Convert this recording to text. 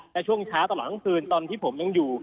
และช่วงเช้าตลอดทั้งคืนตอนที่ผมยังอยู่